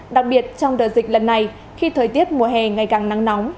đặc biệt trong đợt dịch lần này khi thời tiết mùa hè ngày càng nắng nóng